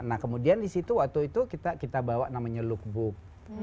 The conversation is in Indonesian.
nah kemudian di situ waktu itu kita bawa namanya lookbook